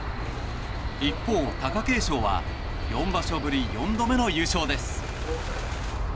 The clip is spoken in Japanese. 一方、貴景勝は４場所ぶり４度目の優勝です。